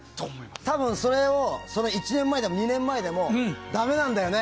多分、それ１年前とか２年前でもダメなんだよね。